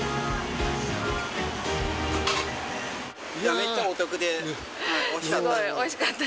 めっちゃお得で、おいしかった。